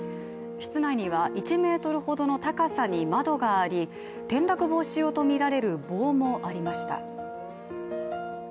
室内には１ｍほどの高さに窓があり転落防止用とみられる棒もありました。